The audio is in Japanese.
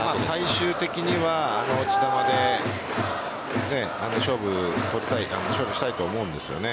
最終的には、あの球で勝負したいと思うんですよね。